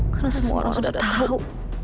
karena semua orang sudah tahu